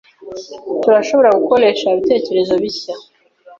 Turashobora gukoresha ibitekerezo bishya.